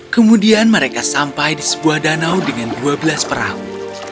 kemudian mereka sampai di sebuah danau dengan dua belas perahu